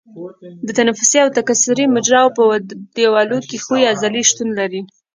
د تنفسي او تکثري مجراوو په دیوالونو کې ښویې عضلې شتون لري.